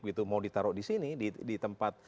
gitu mau ditaruh disini di tempat